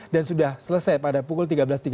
dan sudah selesai pada pukul tiga belas tiga puluh